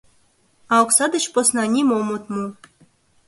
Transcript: А окса деч посна нимом от му.